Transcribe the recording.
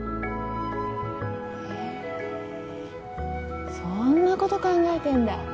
へえそんなこと考えてんだ？